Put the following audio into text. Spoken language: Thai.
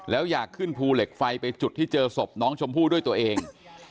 แล้วอยากขึ้นภูเหล็กไฟไปจุดที่เจอศพน้องชมพู่ด้วยตัวเอง